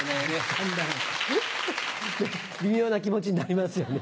微妙な気持ちになりますよね。